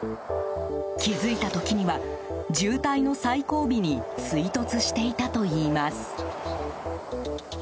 気付いた時には、渋滞の最後尾に追突していたといいます。